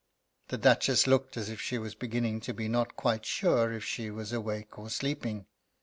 The Duchess looked as if she was beginning to be not quite sure if she was awake or sleeping.